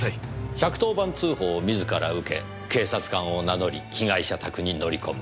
１１０番通報を自ら受け警察官を名乗り被害者宅に乗り込む。